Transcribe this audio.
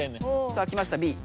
さあ来ました「Ｂ」。